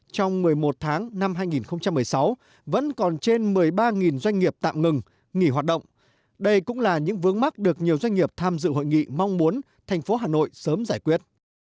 trong một mươi một tháng năm hai nghìn một mươi sáu vẫn còn trên một mươi ba doanh nghiệp tạm ngừng nghỉ hoạt động đây cũng là những vướng mắt được nhiều doanh nghiệp tham dự hội nghị mong muốn thành phố hà nội sớm giải quyết